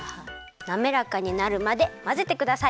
なめらかになるまでまぜてください。